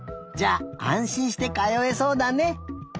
じゃああんしんしてかよえそうだね。